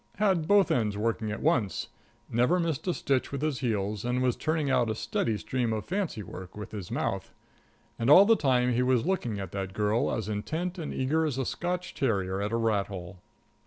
Had both ends working at once never missed a stitch with his heels and was turning out a steady stream of fancy work with his mouth. And all the time he was looking at that girl as intent and eager as a Scotch terrier at a rat hole.